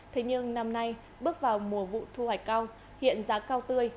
thế nhưng năm nay bước vào mùa vụ thu hoạch cao hiện giá cao tươi